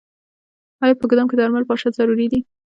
آیا په ګدام کې درمل پاشل ضروري دي؟